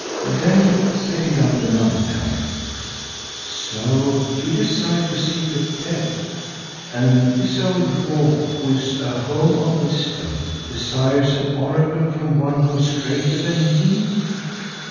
"Then set it out another time. So you desire to see the dead, and this old dwarf, who is a home of wisdom, desires an oracle from one who is greater than he.